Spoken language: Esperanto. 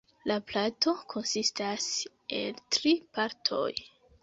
La plato konsistas el tri partoj.